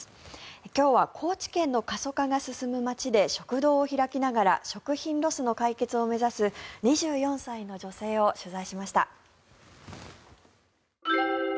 今日は高知県の過疎化が進む町で食堂を開きながら食品ロスの解決を目指す２４歳の女性を取材しました。